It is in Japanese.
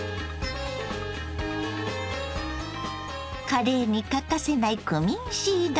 カレーに欠かせないクミンシード。